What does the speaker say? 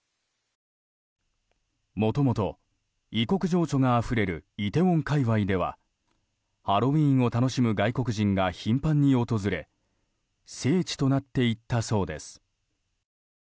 もともと異国情緒があふれるイテウォン界隈ではハロウィーンを楽しむ外国人が頻繁に訪れ聖地となっていったそうです。